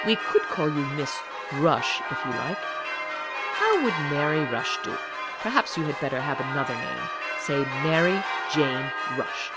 We could call you Miss Rush if you like. How would Mary Rush do? Perhaps you had better have another name say Mary Jane Rush.'